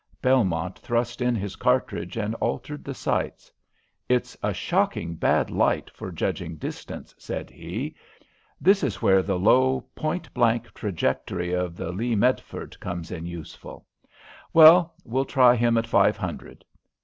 Belmont thrust in his cartridge and altered the sights. "It's a shocking bad light for judging distance," said he. "This is where the low point blank trajectory of the Lee Metford comes in useful. Well, we'll try him at five hundred."